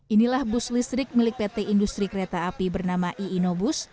inilah bus listrik milik pt industri kereta api bernama iino bus